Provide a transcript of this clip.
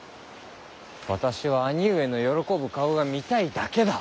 私は兄上の喜ぶ顔が見たいだけだ。